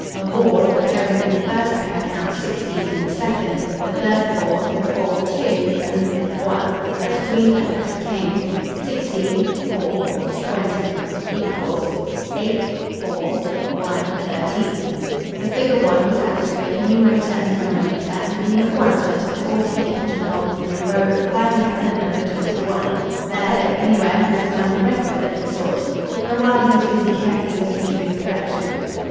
A whorl occurring in the first pair counts 16 in the second, the third 4, the fourth 2, and the fifth 1. Thus Green's effort became 16 4 20 = 8.4 1 13 The figure one was added to both numerator and denominator, and Green at once went to the fourteenth pigeon hole, in a row of the filing cabinet numbered 21. There, if anywhere, he would find the record that he sought. For awhile he was busy carefully looking through the collection.